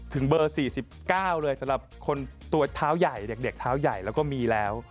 ถึงเบอร์๔๙เลยสำหรับคนตัวเท้าใหญ่เด็กเท้าใหญ่แล้วก็มีแล้ว